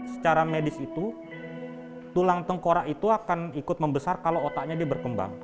secara medis itu tulang tengkora itu akan ikut membesar kalau otaknya dia berkembang